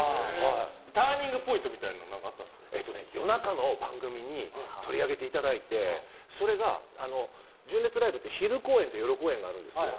ターニングポイントみたいなのは夜中の番組に取り上げていただいてそれが純烈ライブって昼公演と夜公演があるんですよ。